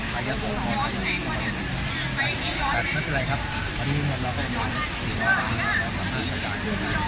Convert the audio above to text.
ครับครับไม่เป็นไรครับวันนี้ครับเราก็ได้ย้อนสิบสี่บาทแล้วก็สามสักการณ์